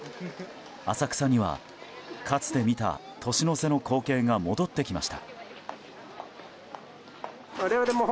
浅草には、かつて見た年の瀬の光景が戻ってきました。